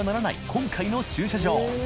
今回の駐車場